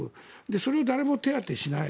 それを誰も手当てしない。